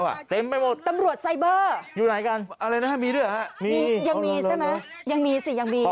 บ๊วยไปหมดตำรวจไซเบอร์ยังมีสิ